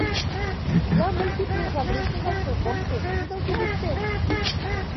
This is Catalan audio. Hi ha múltiples adreces al seu compte, quina utilitzem?